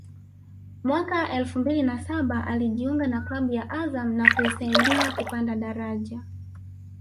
mwaka elfu mbili na saba alijiunga na klabu ya Azam na kuisaidia kupanda daraja